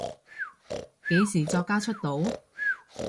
幾時作家出道？